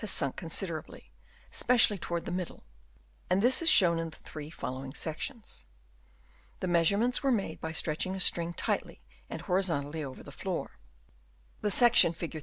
2 o 02 sunk considerably, especi ally towards the middle ; and this is shown in the three following sections. The measurements were made by stretching a string tightly and horizontally over the floor. The sec tion, Fig.